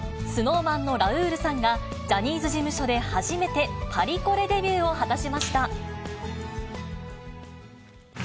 ＳｎｏｗＭａｎのラウールさんが、ジャニーズ事務所で初めてパリコレデビューを果たしました。